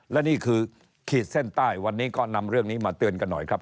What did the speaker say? และนี่คือขีดเส้นใต้วันนี้ก็นำเรื่องนี้มาเตือนกันหน่อยครับ